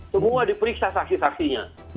semua diperiksa saksi saksinya